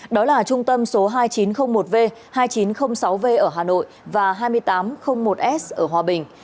đó là trung tâm số hai nghìn chín trăm linh một v hai nghìn chín trăm linh sáu v ở hà nội và hai nghìn tám trăm linh một s ở hòa bình